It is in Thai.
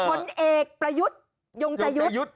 ผลเอกประยุทธ์ยงใจยุทธ์